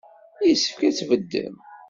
Yessefk ad tbeddem.